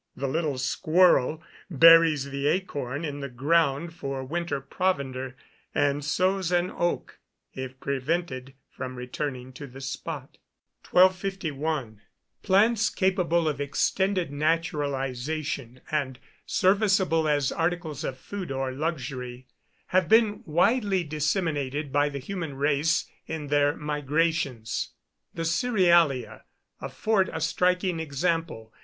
The little squirrel buries the acorn in the ground for winter provender, and sows an oak, if prevented from returning to the spot. 1251. Plants capable of extended naturalisation, and serviceable as articles of food or luxury, have been widely disseminated by the human race in their migrations. The cerealia afford a striking example.